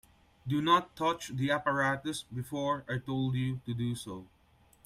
Do not touch the apparatus before I told you to do so.